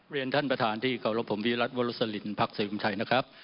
เรียนธนประทานที่เกาอลบภพวิรัษน์เวอรุสลิ่นภักดีสวิมศ์ไทยนะครับ